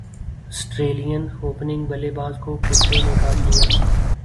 سٹریلین opening بلے باز کو کتے نے کاٹ لیا